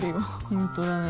本当だね。